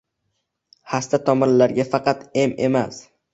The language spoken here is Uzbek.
Xasta tomirlarga faqat em emas